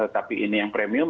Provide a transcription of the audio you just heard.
tapi ini yang premium